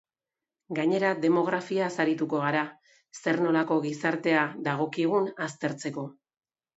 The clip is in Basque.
Gainera, demografiaz arituko gara, zer-nolako gizartea dagokigun aztertzeko.